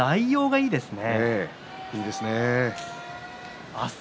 いいですね。